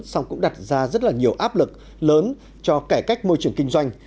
xong cũng đặt ra rất nhiều áp lực lớn cho cải cách môi trường kinh doanh